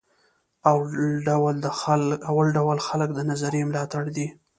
اول ډول خلک د نظریې ملاتړ دي.